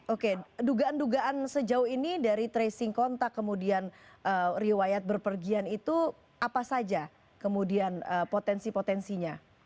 oke dugaan dugaan sejauh ini dari tracing kontak kemudian riwayat berpergian itu apa saja kemudian potensi potensinya